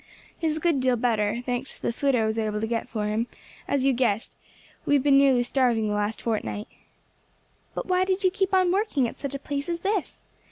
"He is a good deal better, thanks to the food I was able to get for him; for, as you guessed, we have been nearly starving the last fortnight." "But why did you keep on working at such a place as this?"